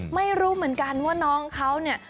ไม่รู้เหมือนกันว่าน้องเขาเนี่ย